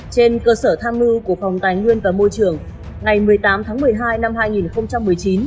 trên cơ sở tham mưu của phòng tài nguyên và môi trường ngày một mươi tám tháng một mươi hai năm hai nghìn một mươi chín